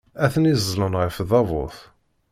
Atni ẓẓlen ɣef tdabut.